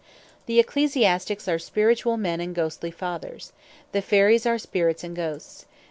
The Ecclesiastiques are Spirituall men, and Ghostly Fathers. The Fairies are Spirits, and Ghosts.